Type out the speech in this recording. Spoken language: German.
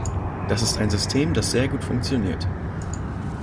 Das ist ein System, das sehr gut funktioniert.